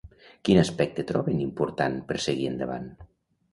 Quin aspecte troben important per seguir endavant?